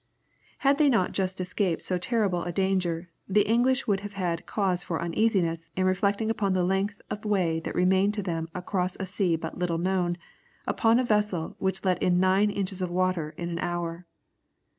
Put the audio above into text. Had they not just escaped so terrible a danger, the English would have had cause for uneasiness in reflecting upon the length of way that remained to them across a sea but little known, upon a vessel which let in nine inches of water in an hour.